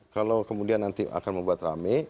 kalau kemudian nanti akan membuat rame